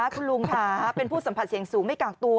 คุณลุงค่ะเป็นผู้สัมผัสเสี่ยงสูงไม่กากตัว